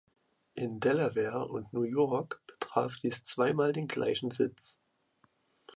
In Delaware und New York betraf dies zweimal den gleichen Sitz.